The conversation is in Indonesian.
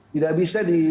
tidak bisa di